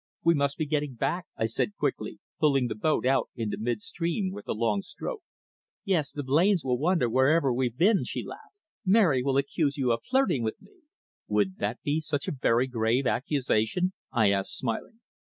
"We must be getting back," I said quickly, pulling the boat out into mid stream with a long stroke. "Yes. The Blains will wonder wherever we've been," she laughed. "Mary will accuse you of flirting with me." "Would that be such a very grave accusation?" I asked, smiling.